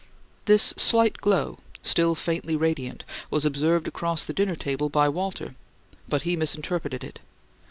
This slight glow, still faintly radiant, was observed across the dinner table by Walter, but he misinterpreted it.